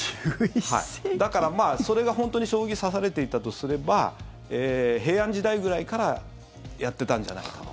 だから、それが本当に将棋指されていたとすれば平安時代ぐらいからやってたんじゃないかと。